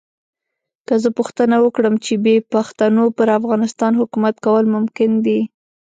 که زه پوښتنه وکړم چې بې پښتنو پر افغانستان حکومت کول ممکن دي.